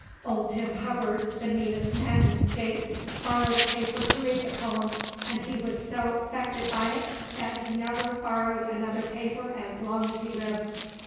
Old Tim Hubbard, the meanest man in the State, borrered a paper to read the pome, and he wuz so 'fected by it that he never borrered anuther paper as long as he lived.